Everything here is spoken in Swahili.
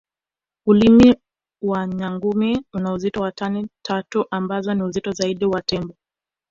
Ulimi wa nyangumi una uzito wa tani tatu ambao ni uzito zaidi wa Tembo